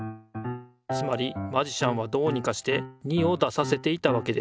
つまりマジシャンはどうにかして２を出させていたわけです。